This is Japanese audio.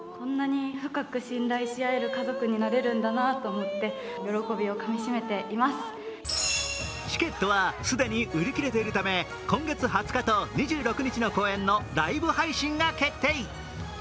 前回から更にアップデートしているそうでチケットは既に売り切れているため今月２０日と２６日の公演のライブ配信が決定。